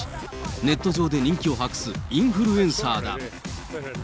ネット上で人気を博すインフルエンサーが。